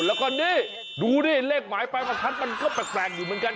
แล้วก็นี่ดูดิเลขหมายปลายประทัดมันก็แปลกอยู่เหมือนกัน